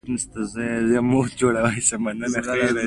فېسبوک د نویو پیژندنو او اړیکو لپاره زمینه برابروي